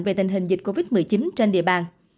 về tình hình dịch covid một mươi chín trên địa bàn